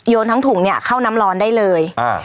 ทั้งถุงเนี่ยเข้าน้ำร้อนได้เลย